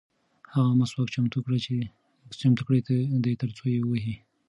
هغه مسواک چمتو کړی دی ترڅو یې ووهي.